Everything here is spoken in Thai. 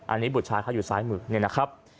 อันนี้บุตรชายเขาอยู่ซ้ายมือเนี่ยนะครับ